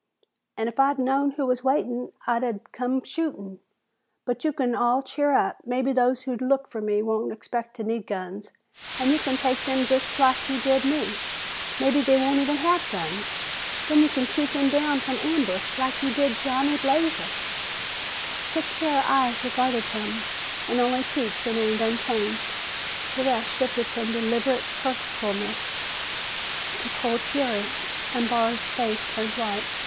"And if I'd known who was waiting, I'd have come shooting. But you can all cheer up. Maybe those who look for me won't expect to need guns, and you can take them just like you did me. Maybe they won't even have guns. Then you can shoot them down from ambush, like you did Johnny Blazer!" Six pairs of eyes regarded him, and only Pete's remained unchanged. The rest shifted from deliberate purposefulness to cold fury, and Barr's face turned white.